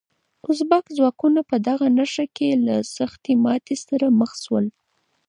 ازبک ځواکونه په دغه نښته کې له سختې ماتې سره مخ شول.